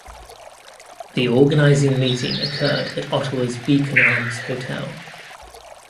The organizing meeting occurred at Ottawa's Beacon Arms Hotel.